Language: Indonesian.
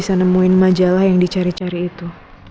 saya juga bisa nemuin majalah yang dicari cari itu